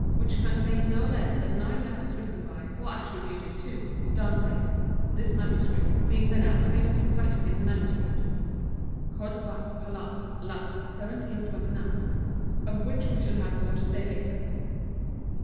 which contained no less than nine letters written by, or attributed to, Dante, this MS. being the now famous Vatican MS. (Cod. Vat. Palat. Lat. IJ29), of which we shall have more to say later.